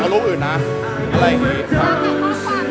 แต่ว่าเกิดว่าเข้าใจผิดจริงหรอ